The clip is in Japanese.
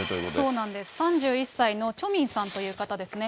そうなんです、３１歳のチョ・ミンさんという方ですね。